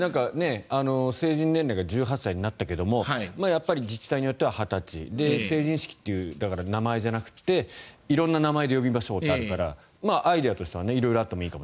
成人年齢が１８歳になったけれどやっぱり自治体によっては２０歳だから成人式という名前じゃなくて色んな名前で呼びましょうとあるからアイデアとしてあってもいいかと。